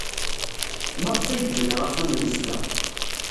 Maɣef ay yebna axxam-nnes da?